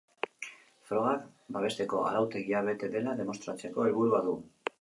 Frogak babesteko arautegia bete dela demostratzeko helburua du.